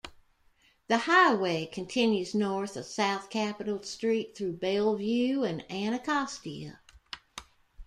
The highway continues north as South Capitol Street through Bellevue and Anacostia.